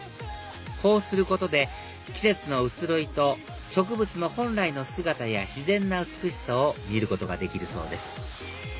こうすることで季節の移ろいと植物の本来の姿や自然な美しさを見ることができるそうです